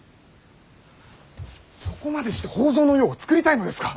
そこまでして北条の世をつくりたいのですか。